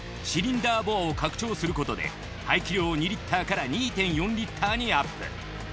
シリンダーボアを拡張することで排気量を２リッターから２．４リッターにアップ。